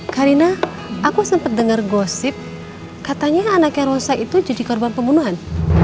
karina aku sempat dengar gosip katanya anaknya rosa itu jadi korban pembunuhan